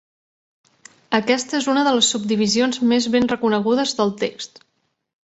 Aquesta és una de les subdivisions més ben reconegudes del text.